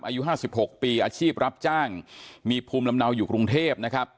อายุ๕๖ปีอาชีพรับจ้างมีภูมิลำเนาอยู่กรุงเทพนะครับ